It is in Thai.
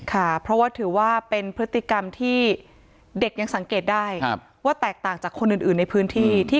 ค่ะเพราะว่าถือว่าเป็นพฤติกรรมที่เด็กยังสังเกตได้ว่าแตกต่างจากคนอื่นในพื้นที่